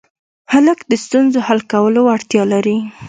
هلک د ستونزو حل کولو وړتیا لري.